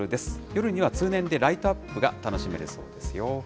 夜には通年でライトアップが楽しめるそうですよ。